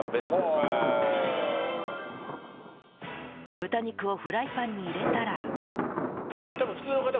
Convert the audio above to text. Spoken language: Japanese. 豚肉をフライパンに入れたら